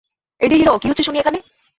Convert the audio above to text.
এই যে হিরো, কী হচ্ছে শুনি এখানে?